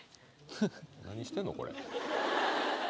何してんのこれ？